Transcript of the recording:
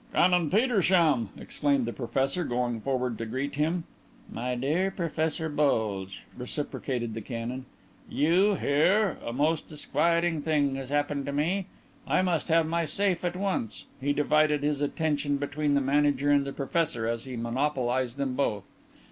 "Canon Petersham!" exclaimed the professor, going forward to greet him. "My dear Professor Bulge!" reciprocated the canon. "You here! A most disquieting thing has happened to me. I must have my safe at once." He divided his attention between the manager and the professor as he monopolized them both.